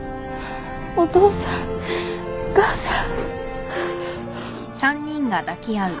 お父さんお母さん。